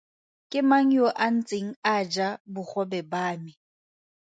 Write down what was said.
Ke mang yo a ntseng a ja bogobe ba me?